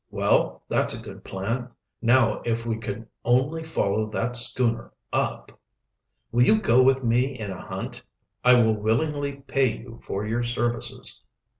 "Well, that's a good plan. Now if we could only follow that schooner up " "Will you go with me in a hunt? I will willingly pay you for your services."